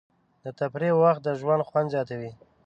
د تفریح وخت د ژوند خوند زیاتوي.